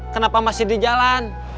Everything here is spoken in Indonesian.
kenapa masih di jalan